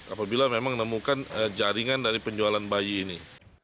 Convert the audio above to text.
apabila memang menemukan jaringan dari penjualan bayi ini